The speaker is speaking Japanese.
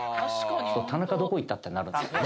田中どこ行った？ってなるんですよね。